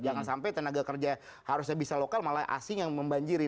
jangan sampai tenaga kerja harusnya bisa lokal malah asing yang membanjiri